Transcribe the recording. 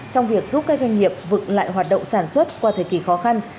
trong việc giúp các doanh nghiệp vực lại hoạt động sản xuất qua thời kỳ khó khăn